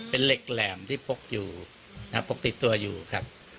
เป็นเหล็กแหลมที่ปลกอยู่ปลกติดตัวอยู่ครับ